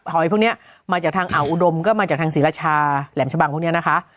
หอยพวกนี้มาจากทางอ่าวอุดมก็มาจากทางศรีราชาแหลมชะบังพวกนี้นะคะ